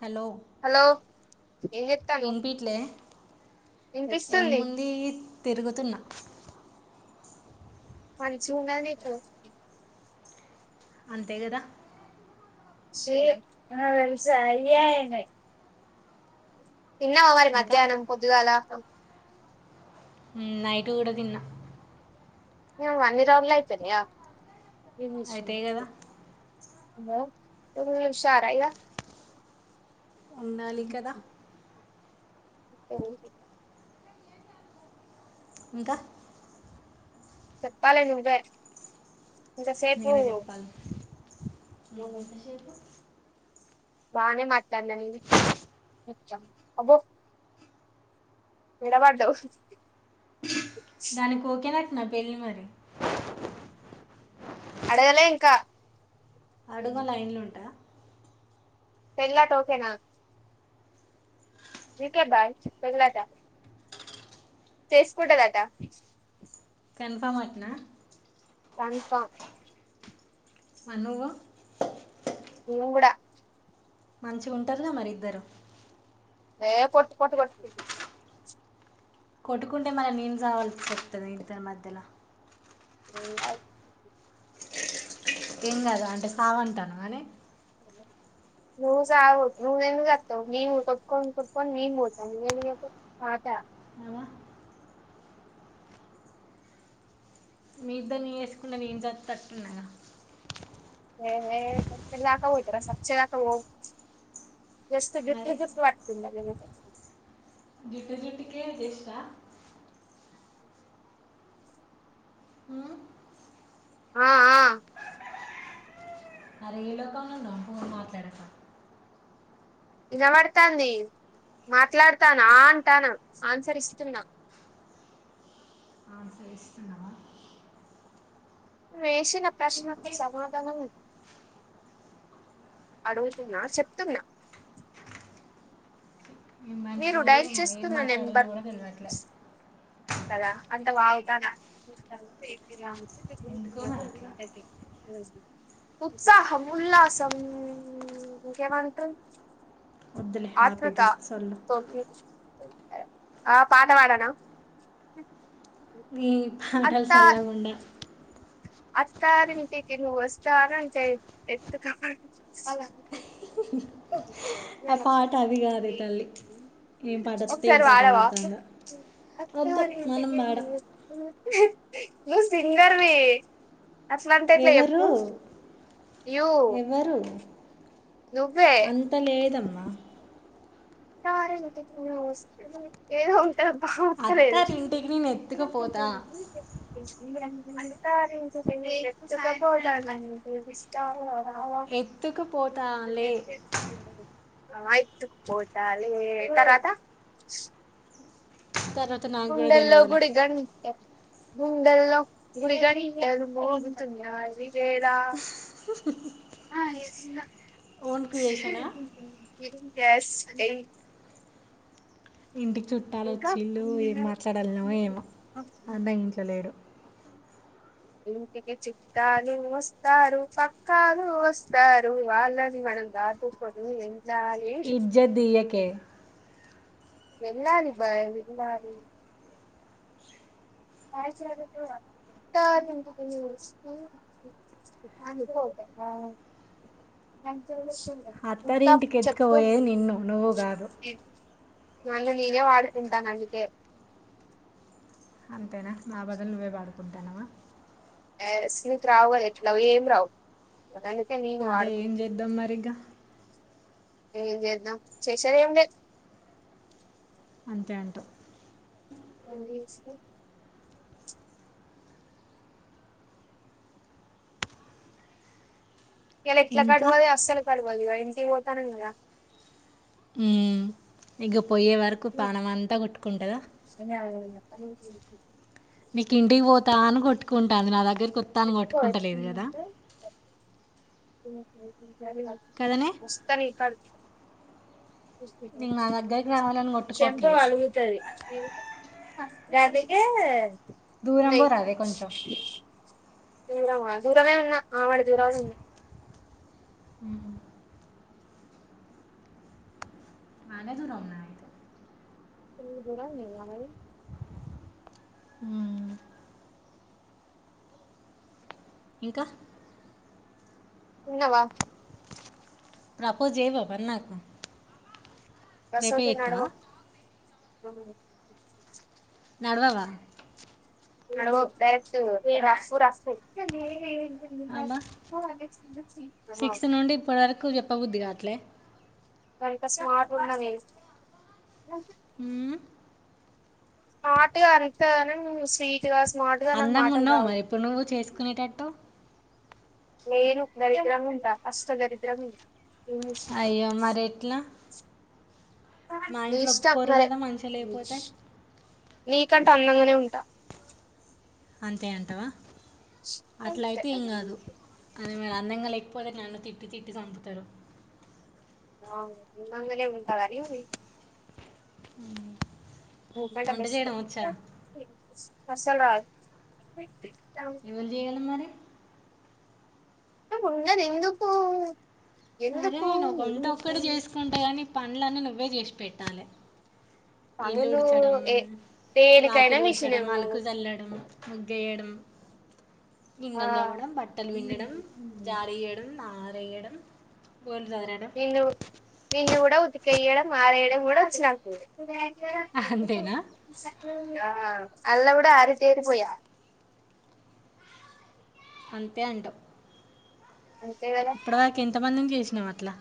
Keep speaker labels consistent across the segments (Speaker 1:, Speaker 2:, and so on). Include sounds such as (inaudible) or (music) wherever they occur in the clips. Speaker 1: Hello
Speaker 2: hello ఏం చెత్తన్నావ్
Speaker 1: విన్పిీట్లే
Speaker 2: వినిపిస్తుంది
Speaker 1: ఏముంది తిరుగుతున్నా
Speaker 2: మన చ ఉంగా నకు
Speaker 1: అంతే కదా
Speaker 2: శ వెలుసా అయ్యయినే ఇన్నవ మరి
Speaker 1: ఇంకా
Speaker 2: మధ్యాహ్నం కొదుగాల
Speaker 1: నైట్ కూడా తిన్నా
Speaker 2: న వన్ ఇర్వర్లో అయితేార
Speaker 1: అయితే కదా
Speaker 2: త హుషారాయిగా
Speaker 1: ఉండాలి కదా
Speaker 2: ఉమా
Speaker 1: ఇంకా
Speaker 2: చెప్పాల నువ్వ
Speaker 1: నేనే చెప్పాలి
Speaker 2: బానే మాట్లాడలే న అబో విడ పడదవు
Speaker 1: దానికి కోకేనక్క నా పెళ్లిి మరి
Speaker 2: అడగాల ఇంకా
Speaker 1: అడుగ లైన్లు ఉంటా
Speaker 2: పెళ్లిత ఓకేనా వికె బ పేలా దాఫ చేసుకుంటదట
Speaker 1: కన్ఫామ్ అట్నా
Speaker 2: పానీ స
Speaker 1: మవు
Speaker 2: ఇవన్ కూడా
Speaker 1: మంచి ఉంటారుగా మరిద్దరు
Speaker 2: నే కొట్ కొట్ కొట్
Speaker 1: కొట్టుకుంటే మన నీళ్ళ సావాల్సి చెప్తుంది ఇంటితర మధ్యలో
Speaker 2: (unintelligible)
Speaker 1: ఏం కాదు అంటే సావంటాను కానీ
Speaker 2: అ నుూజ నుూజ ఎందు జతవు నీ కుట్కొ కుప్పుక నీ పోతా పాత
Speaker 1: అమ మీ ఇద్దరు నీ వేసుకుంటన్నా నేను చేత తట్టున్నాగా
Speaker 2: ప దాకవ తర సాక్షే దాక వస్త
Speaker 1: మరి
Speaker 2: గట్టద వాట్తుందింద
Speaker 1: జుట్ట జుటికే చేష్ట అ
Speaker 2: ఆ ఆ
Speaker 1: అరే ఏ లోకంలో ఉన్నవ్ ఫోన్ మాట్లాడక
Speaker 2: నినబడతాంది మాట్లాడతాను ఆ అంటన ఆన్సర్ ఇస్తున్నా
Speaker 1: ఆన్సర్ ఇస్తున్నావా
Speaker 2: వేసిన ప్రశ్నకి సమాధానం అడుగుతున్నా చెప్తున్నా
Speaker 1: ఏ
Speaker 2: మీరు
Speaker 1: మనుషో
Speaker 2: డైల్
Speaker 1: ఏమో ఏం
Speaker 2: చేస్తున్న
Speaker 1: మాట్లాడాలో
Speaker 2: నెంబర్
Speaker 1: కూడా తెలవట్లే
Speaker 2: కదా అట్ట వాగుతన కు ఉ
Speaker 1: ఎందుకో మరి అట్లా
Speaker 2: (unintelligible) ఉత్సాహం ఉల్లాసం ఇంకా ఏమంట్రూ
Speaker 1: వద్దులే
Speaker 2: ఆత్రుత
Speaker 1: హ్యాపీగా సొల్లు
Speaker 2: తో కుచ్ ఆ పాట పాడనా
Speaker 1: ఈ పాటలు
Speaker 2: అత్త
Speaker 1: సల్లగుండ
Speaker 2: అత్తారింటికి నువ్వు వస్తానంటే ఎత్తుకుపో
Speaker 1: ఆ పాట అది కాదు తల్లి ఏం పాట వస్తే ఏం
Speaker 2: ఒకసారి
Speaker 1: పాట
Speaker 2: వాడవా
Speaker 1: పాడుతుందా వద్దు మనం పాడం
Speaker 2: ను సింగర్వి అట్లుంటే ఎట్లా
Speaker 1: ఎవరు
Speaker 2: జెప్పు యూ
Speaker 1: ఎవరు
Speaker 2: నువ్వే
Speaker 1: అంత లేదమ్మా
Speaker 2: అత్తారింటికి నువ్వు వస్తానంటే ఎదో ఉంటడీ బాగా వస్తలేదు
Speaker 1: ఎతుకపోతా
Speaker 2: అంట త బడ
Speaker 1: ఎత్తుకుపోతాలే
Speaker 2: తే ఆ ఆయితుకు పోతా న తర్వాత
Speaker 1: తర్వాత నాకు కూడా
Speaker 2: గుండెల్లో
Speaker 1: తెలియదులే
Speaker 2: గుడి గంట గుండెల్లో గుడిగాడిగుతు వ వేరా ఆ ఎస్
Speaker 1: ఓన్
Speaker 2: బస్
Speaker 1: క్రియేషనా
Speaker 2: ఏ (unintelligible)
Speaker 1: ఇంటికి చుట్టాలు వచ్చిల్లు ఏం మాట్లాడలనో ఏమో అన్న ఇంట్లో లేడు
Speaker 2: ఇంటికి చిుట్టాలు వస్తారు పక్కాలు వస్తారు వాళ్ళని మ కా పూ పోదుం
Speaker 1: ఇజ్జ దీయకే
Speaker 2: వెళ్ళాలి బాయ వెళ్ళాలి (unintelligible) అ ఇంకా
Speaker 1: అత్తారింటికి
Speaker 2: చెప్పు
Speaker 1: ఎత్తుకుపోయేది నిన్ను నువ్వు కాదు
Speaker 2: నన్ను నేనే వాడు కుంటా అందుకే
Speaker 1: అంతేనా నా బదులు నువ్వే వాడుకుంటానవా
Speaker 2: స్మిత్ రావాల ఎట్లావి ఏం రావు అందుకే నేను
Speaker 1: అదే ఏం
Speaker 2: వాడుకుంట నా
Speaker 1: చేద్దాం మరి ఇక
Speaker 2: ఏం చేద్దం చేసేది ఏం లేదు
Speaker 1: అంతే అంటావ
Speaker 2: ఏం చేస్తావ్ ఇలా ఇట్లా
Speaker 1: ఇంకా
Speaker 2: కడవదు అస్సలు కడవదు ఇక ఇంటికి పోతాను కదా
Speaker 1: ఇగ పోయే వరకు పాణం అంతా కొట్టుకుంటదా
Speaker 2: (unintelligible)
Speaker 1: నీకు ఇంటికి పోతా అని కొట్టుకుంటాను నా దగ్గర కొత్తాను
Speaker 2: ఎత్తుకో
Speaker 1: కొట్టుకుంటలేదు కదా కదనే
Speaker 2: వస్తా నీకాడికి
Speaker 1: నీకు నా దగ్గరికి రావాలని
Speaker 2: చెంప
Speaker 1: కొట్టుకోవట్లే
Speaker 2: పలుగుతది రాధ కే
Speaker 1: దూరం
Speaker 2: నే
Speaker 1: పోరాదే కొంచెం
Speaker 2: దూరమా దూరమే ఉన్నా ఆమడ దూరం
Speaker 1: మ్మ్ నానే దూరం ఉన్నా అయితే
Speaker 2: చిన్ని దూరం లేదా మరి
Speaker 1: ఉమ్మ్ ఇంకా
Speaker 2: తిన్నవా
Speaker 1: ప్రపోజ్ జేయవా మరి నాకు రేపే
Speaker 2: గసువంటివి
Speaker 1: చేస్తావా
Speaker 2: నడవవ్
Speaker 1: నడవవా
Speaker 2: నడవవ్ డైరెక్ట్ ఎ రాస్తు రాస్తు
Speaker 1: అమ్మా
Speaker 2: ఆ
Speaker 1: ప్ప బుద్ధికాట్లే
Speaker 2: గంత స్మార్ట్ ఉన్నావే
Speaker 1: ఉమ్మ్
Speaker 2: స్మార్ట్‌గా అంత గనం స్వీ టుగా స్మార్ట్‌గా నాకు
Speaker 1: అందంగా
Speaker 2: మాటలు
Speaker 1: ఉన్నావు
Speaker 2: రావు
Speaker 1: మరి ఇప్పుడు నువ్వు చేసుకునేటట్టు
Speaker 2: నేను దరిద్రంగా ఉంటా అష్ట దరిద్రంగుంట
Speaker 1: అయ్యో మరేట్లా
Speaker 2: నీ ఇష్టం మరి
Speaker 1: కదా మంచిగా లేకపోతే
Speaker 2: నీకంటే అందంగానే ఉంటా
Speaker 1: అంతే అంటవా
Speaker 2: అంతే
Speaker 1: అట్లయితే ఏం కాదు ఉహ్మ్ అందంగా లేకపోతే నన్ను తిట్టి తిట్టి సంపుతాడు
Speaker 2: ఆ అందంగనే ఉంటగాని
Speaker 1: మ్మ్
Speaker 2: ఉపెట బెస్ట్ అస్సలు రాదు
Speaker 1: ఎవళ్ళు చేయలే మరి
Speaker 2: నువ్వు ఉన్నది ఎందుకు
Speaker 1: సరే
Speaker 2: ఎందుకు
Speaker 1: నాకు వంట
Speaker 2: ఎందుకు
Speaker 1: ఒక్కటే చేసుకుంట గానీ పనులన్నీ నువ్వే చేసి పెట్టాలే ఇల్లు
Speaker 2: పనులు
Speaker 1: ఉడ్చడం
Speaker 2: ఏ దేనికైనా
Speaker 1: వాకిలు
Speaker 2: మిషనే
Speaker 1: ఉడ్చడం అళుకు
Speaker 2: నువ్వు
Speaker 1: చల్లడం ముగ్గు ఎయడం
Speaker 2: ఆ
Speaker 1: గిన్నెలు తోమడం బట్టలు పిండడం జారి చేయడం ఆరేయడం బోర్లు చదరడం
Speaker 2: నిన్ను నిన్ను కూడా ఉతికెయడం ఆరేయడం కూడా వచ్చునాకు
Speaker 1: అంతేనా
Speaker 2: ఆ అల్లగుడా ఆరి తేరిపోయా
Speaker 1: అంతే అంటావ్
Speaker 2: అంతే కదా
Speaker 1: ఇప్పుడుదాక ఎంత మందిని చేసినాం అట్లా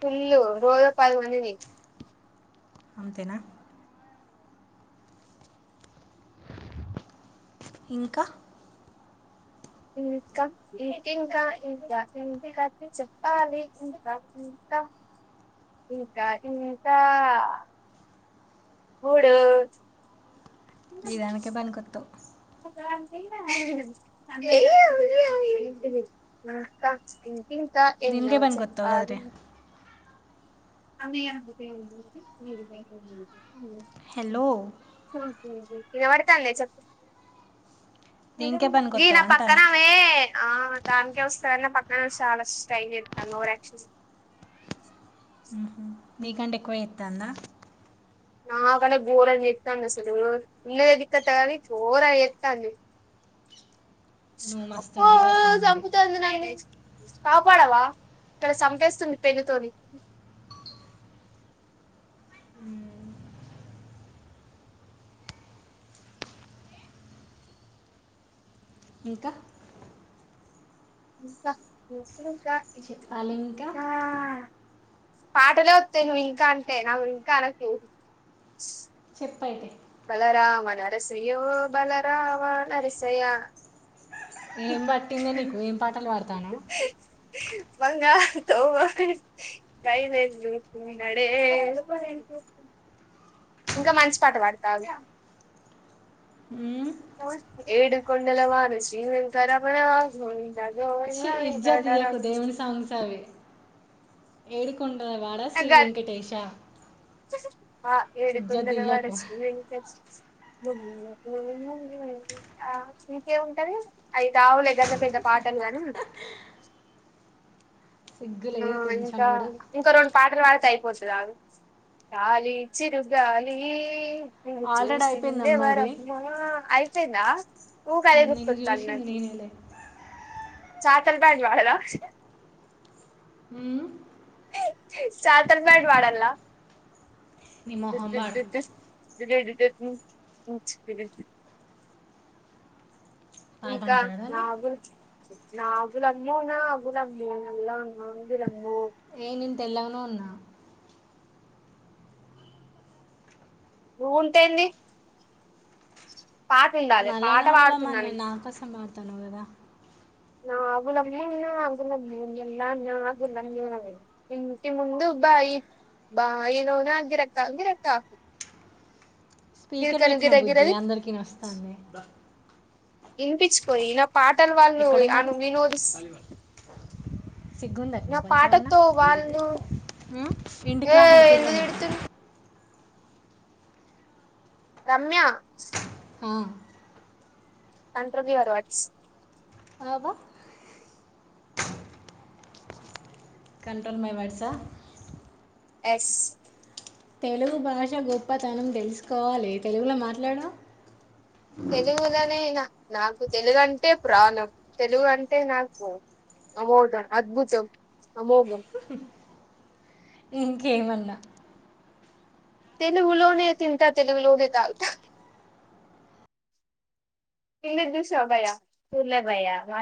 Speaker 2: ఫుల్లు రోజో పదిమందిని
Speaker 1: అంతేనా ఇంకా
Speaker 2: ఇంకా ఇంకింకా ఇంకా ఇంక చెప్పాలి ఇంకా ఇం కా ఇంకా ఇంకా మూడు
Speaker 1: ఈ దానికే పనికొత్తావు
Speaker 2: ఇంకా ఇంకా ఎన్నో
Speaker 1: దీనికే పనికొత్తావు
Speaker 2: చెప్పాలి
Speaker 1: కదరే
Speaker 2: అవి (unintelligible)
Speaker 1: హలో
Speaker 2: వినపడతాందే చెప్పు
Speaker 1: దీనికే
Speaker 2: ఇది నా
Speaker 1: పనికొత్తావు అంటానా
Speaker 2: పక్కనామే ఆ దానికే వస్తదన్న పక్కన షాలా ట్రై చేత్తాను ఓవరాక్షన్
Speaker 1: మీకంటే ఎక్కువ చేత్తందా
Speaker 2: నాకంటే ఘోరంగా చేత్తంది అసలు ఉన్నదే దిక్కతగాని చోరాగ చెత్తంది
Speaker 1: నువ్వు మస్తు
Speaker 2: ఒక్కో
Speaker 1: ఉంటివి అసలు మరి
Speaker 2: సంపుతాంది నాకే కాపాడవా ఇక్కడ చంపేస్తుంది పెళ్లితోని
Speaker 1: ఉమ్ ఇంకా
Speaker 2: ఇంకా ఇంకింకా ఇక్క
Speaker 1: చెప్పాలి ఇంకా
Speaker 2: ఇక్క పాటలే వత్తయి నువ్వు ఇంకా అంటే నవు ఇంకా అనకు
Speaker 1: చెప్పయితే
Speaker 2: బలరామ నరసయ్యో బలరామ నరసయ
Speaker 1: ఏం పట్టింది నీకు ఏం పాటలు పాడతానవ్
Speaker 2: బంగారుతో (unintelligible) డేస్తున్నాడే ఇంకా మంచి పాట పడతా ఆగు
Speaker 1: మ్మ్.
Speaker 2: ఏడు కొండలవాడా శ్రీ వెంక రమణ గోవింద్
Speaker 1: చి ఇజ్జత్ తీయకు దేవుని సాంగ్స్ అవే ఏడుకొండ్ ఆ వాడ
Speaker 2: నాకు
Speaker 1: శ్రీ
Speaker 2: కాదు
Speaker 1: వెంకటేేశ
Speaker 2: ఆ ఏడు కొండలవాడా శ్రీ వేంకటేశ ఇంకేం ఉంటది అయి కావులే గంత పెద్ద పాట్ పాటలు గానీ
Speaker 1: సిగ్గు
Speaker 2: ఆ
Speaker 1: లేదు కొంచెం
Speaker 2: ఇంకా
Speaker 1: కూడా
Speaker 2: ఇంకో రెండు పాటలు పాడుతే అయిప్ ఓ సారి అగు గాలి చిరుగాలి నిన్ను
Speaker 1: ఆల్రెడీ అయిపోయిందమ్మా అవి
Speaker 2: చూసిందెవరమ్మ అయిపిందా
Speaker 1: ఉమ్ నిన్న చూషింది నేనేలే
Speaker 2: చాతల్బాద్ వాడలా
Speaker 1: ఉమ్
Speaker 2: సాతల్ పాటే వాడల్ల
Speaker 1: నీ మొహం వాడు
Speaker 2: (inaudible)
Speaker 1: పాట
Speaker 2: ఇంకా
Speaker 1: అంటాడు
Speaker 2: నా
Speaker 1: అని
Speaker 2: గురుచ్ నాగులమ్మో నాగులమ్మో నల్ల నాగులమ్
Speaker 1: ఏ నేను తెల్లగును ఉన్న
Speaker 2: నువ్వు ఉంటేంది పాట ఉండాలే పాట పాడుతున్నాను
Speaker 1: తానవ్ గదా
Speaker 2: నాగులమ్మో నాగులమ్మో నల్ల నాగులమ్మో ఇంటి ముందు బైట్ బాయిలోని గిరక గిరక
Speaker 1: స్పీకర్
Speaker 2: గిరకను
Speaker 1: పెట్టిన
Speaker 2: గిర
Speaker 1: బుజ్జి
Speaker 2: గిరది
Speaker 1: అందరికి ఇనొస్తాంది
Speaker 2: వినిపించుకోని ఇ నా పాటలు వాళ్ళు
Speaker 1: ఎక్కడున్నారు
Speaker 2: అను వినోదిస్
Speaker 1: సిగ్గుందట్నా
Speaker 2: నా
Speaker 1: కొంచెమన్నా
Speaker 2: పాటతో వాళ్ళు
Speaker 1: ఇంటికి
Speaker 2: ఏ
Speaker 1: రాకుండా తిరగ
Speaker 2: ఎందుకు
Speaker 1: నీకి
Speaker 2: తిడుతుంది రమ్య
Speaker 1: హా
Speaker 2: కంట్రోల్ యువర్ వర్డ్స్
Speaker 1: అబ్బా కంట్రోల్ మై వర్డ్సా
Speaker 2: ఎస్
Speaker 1: తెలుగు భాష గొప్పతనం తెలుసుకోవాలి తెలుగులో మాట్లాడు
Speaker 2: తెలుగులోనే నా నాకు తెలుగు అంటే ప్రాణం తెలుగు అంటే నాకు అమోఘం అద్భుతం అమోఘం
Speaker 1: ఇంకేమన్నా
Speaker 2: తెలుగులోనే తింట తెలుగులోనే తగతా కిందిది చూసావా బయ్యా చడ్లే బయ్యా